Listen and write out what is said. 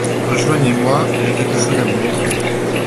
Rejoignez-moi, j’ai quelque chose à vous montrer.